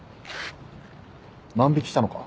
万引したのか？